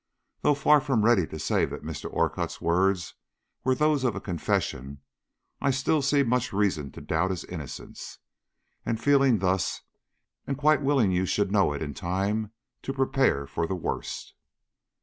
Though far from ready to say that Mr. Orcutt's words were those of confession, I still see much reason to doubt his innocence, and, feeling thus, am quite willing you should know it in time to prepare for the worst."